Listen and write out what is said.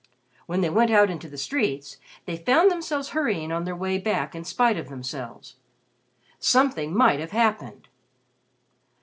When they went out into the streets, they found themselves hurrying on their way back in spite of themselves. Something might have happened.